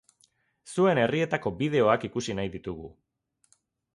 Zuen herrietako bideoak ikusi nahi ditugu.